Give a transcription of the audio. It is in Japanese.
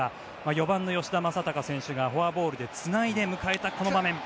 ４番の吉田正尚がフォアボールでつないで迎えたこの場面。